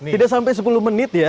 tidak sampai sepuluh menit ya